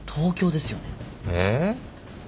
えっ？